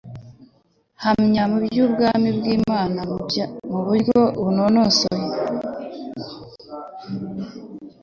Hamya iby'ubwami bw'Imana mu buryo bunonosoye